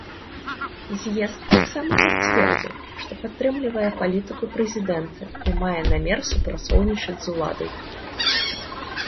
З'езд таксама пацвердзіў, што падтрымлівае палітыку прэзідэнта і мае намер супрацоўнічаць з уладай.